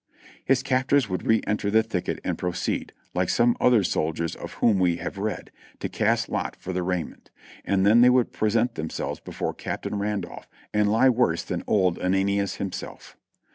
His captors would re enter the thicket and proceed, like some other soldiers of whom we have read, "to cast lot for the raiment," and then they would present themselves before Cap tain Randolph and lie worse than old Ananias himself.